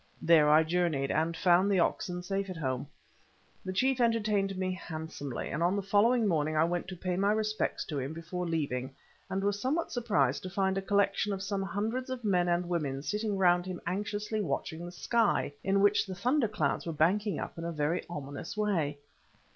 There I journeyed, and found the oxen safe at home. The chief entertained me handsomely, and on the following morning I went to pay my respects to him before leaving, and was somewhat surprised to find a collection of some hundreds of men and women sitting round him anxiously watching the sky in which the thunder clouds were banking up in a very ominous way.